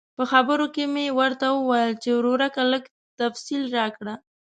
په خبرو کې مې ورته وویل چې ورورکه لږ تفصیل راکړه.